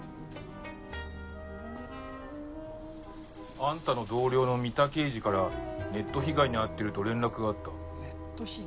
あんたの同僚の三田刑事からネット被害に遭ってると連絡があった。